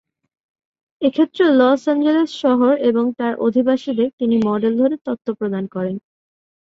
এক্ষেত্রে Los Angeles শহর এবং তাঁর অধিবাসীদের তিনি মডেল ধরে তত্ত্ব প্রদান করেন।